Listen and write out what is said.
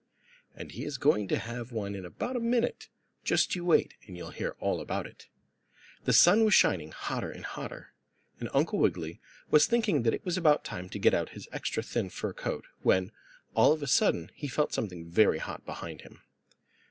And he is going to have one in about a minute. Just you wait and you'll hear all about it. The sun was shining hotter and hotter, and Uncle Wiggily was thinking that it was about time to get out his extra thin fur coat when, all of a sudden, he felt something very hot behind him.